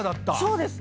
そうです。